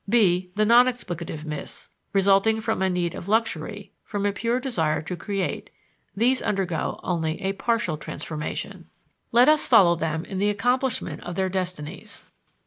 _ b. The non explicative myths, resulting from a need of luxury, from a pure desire to create: these undergo only a partial transformation. Let us follow them in the accomplishment of their destinies.